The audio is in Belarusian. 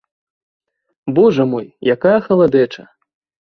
Божа мой, якая халадэча!